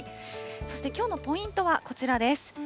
そして、きょうのポイントはこちらです。